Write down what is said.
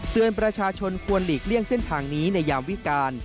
เตือนประชาชนควรหลีกเลี่ยงเส้นทางนี้ในยามวิการ